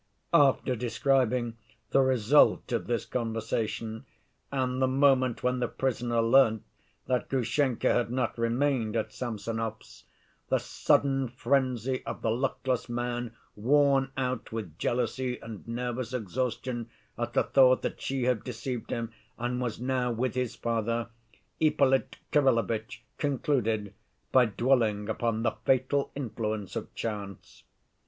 " After describing the result of this conversation and the moment when the prisoner learnt that Grushenka had not remained at Samsonov's, the sudden frenzy of the luckless man worn out with jealousy and nervous exhaustion, at the thought that she had deceived him and was now with his father, Ippolit Kirillovitch concluded by dwelling upon the fatal influence of chance.